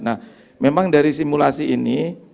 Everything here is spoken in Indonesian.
nah memang dari simulasi ini